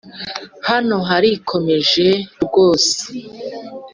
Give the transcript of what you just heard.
hano harakomeje rwose.